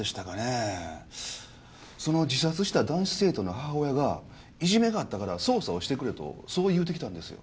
その自殺した男子生徒の母親が「いじめがあったから捜査をしてくれ」とそう言うてきたんですよ。